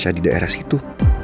natasha di daerah situ